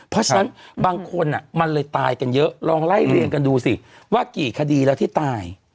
เพราะฉะนั้นบางคนมันเลยตายกันเยอะลองไล่เรียงกันดูสิว่ากี่คดีแล้วที่ตาย